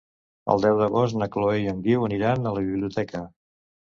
El deu d'agost na Chloé i en Guiu aniran a la biblioteca.